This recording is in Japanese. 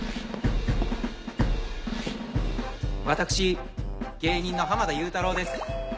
私芸人の濱田祐太郎です。